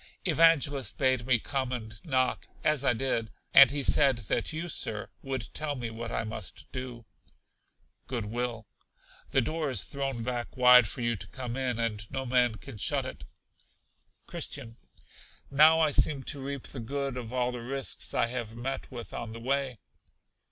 Evangelist bade me come and knock (as I did); and he said that you, Sir, would tell me what I must do. Good will. The door is thrown back wide for you to come in, and no man can shut it. Christian. Now I seem to reap the good of all the risks I have met with on the way.